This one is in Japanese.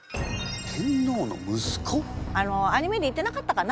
アニメで言ってなかったかな？